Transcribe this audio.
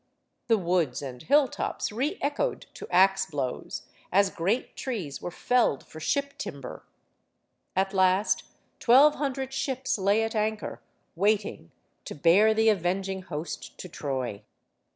The woods and hilltops reechoed to ax blows, as great trees were felled for ship timber. At last, twelve hundred ships lay at anchor, waiting to bear the avenging host to Troy.